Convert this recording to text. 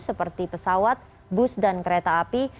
seperti pesawat bus dan kereta api